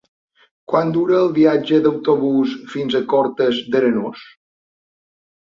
Quant dura el viatge en autobús fins a Cortes d'Arenós?